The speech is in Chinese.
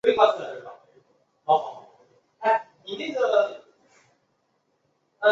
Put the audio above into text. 有空前绝后的支配领域之大元大蒙古国再次统一了中国汉地。